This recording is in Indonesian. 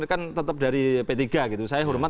kan tetap dari p tiga gitu saya hormat